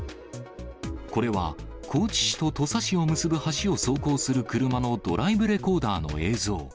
これは高知市と土佐市を結ぶ橋を走行する車のドライブレコーダーの映像。